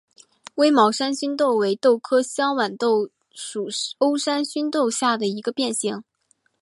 微毛山黧豆为豆科香豌豆属欧山黧豆下的一个变型。